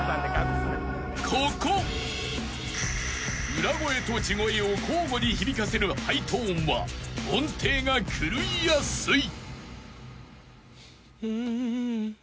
［裏声と地声を交互に響かせるハイトーンは音程が狂いやすい］